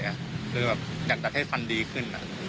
อยากจัดให้ฟันดีขึ้น